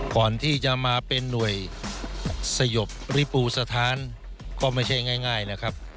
ก่อนที่จะมาเป็นหน่วยสยบริปูสถานก็ไม่ใช่ง่ายนะครับ